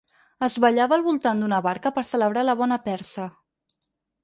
Es ballava al voltant d’una barca per celebrar la bona persa.